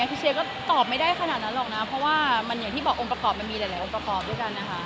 พี่เชียร์ก็ตอบไม่ได้ขนาดนั้นหรอกนะเพราะว่ามันอย่างที่บอกองค์ประกอบมันมีหลายองค์ประกอบด้วยกันนะคะ